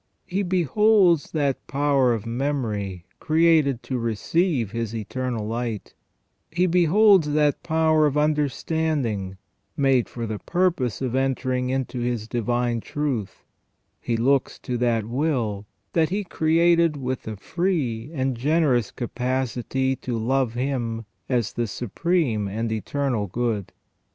He beholds that power of memory created to receive His eternal light ; He beholds that power of understanding made for the purpose of entering into His divine truth ; He looks to that will that He created with a free and generous capacity to love Him as the Supreme and Eternal Good.